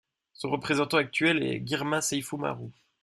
Son représentant actuel est Girma Seyfu Maru.